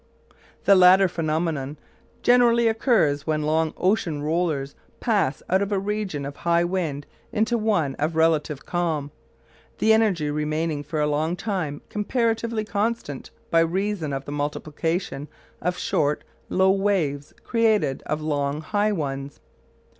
This latter phenomenon generally occurs when long ocean rollers pass out of a region of high wind into one of relative calm, the energy remaining for a long time comparatively constant by reason of the multiplication of short, low waves created out of long, high ones.